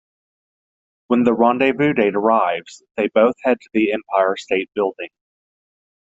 When the rendezvous date arrives, they both head to the Empire State Building.